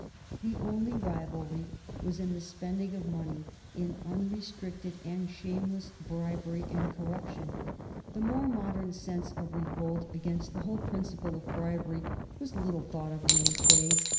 The only rivalry was in the spending of money in unrestricted and shameless bribery and corruption. The more modern sense of revolt against the whole principle of bribery was little thought of in those days.